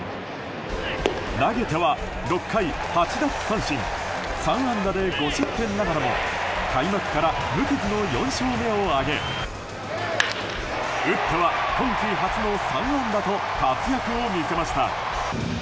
投げては６回８奪三振３安打で５失点ながらも開幕から無傷の４勝目を挙げ打っては今季初の３安打と活躍を見せました。